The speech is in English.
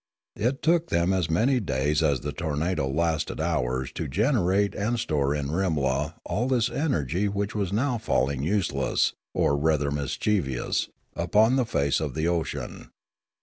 It took them as many days as the tornado lasted hours to generate and store in Rimla all this energy which was now falling useless, or rather mischievous, upon the face of the ocean.